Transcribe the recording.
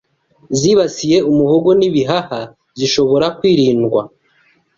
zibasira umuhogo n’ibihaha zishobora kwirindwa